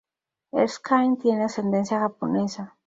Erskine tiene ascendencia japonesa.